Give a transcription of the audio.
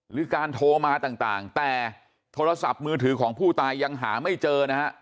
หรือการโทรมาต่างแต่โทรศัพท์มือถือของผู้ตายยังหาไม่เจอนะฮะ